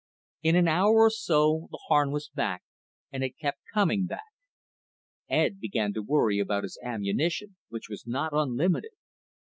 In an hour or so the Harn was back, and it kept coming back. Ed began to worry about his ammunition, which was not unlimited.